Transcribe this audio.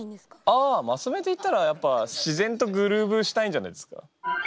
ああまとめて言ったらやっぱ自然とグルーヴしたいんじゃないですか？